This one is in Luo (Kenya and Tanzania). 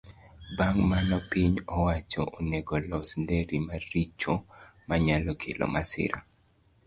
Bang' mano, piny owacho onego los nderni maricho manyalo kelo masira.